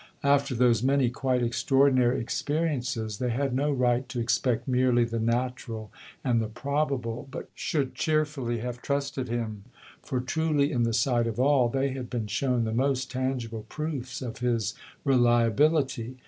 After those many quite extraordinary experiences they had no right to expect merely the natural and the probable, but should cheerfully have trusted him; for, truly, in the sight of all, they had been shown the most tangible proofs of his reliability.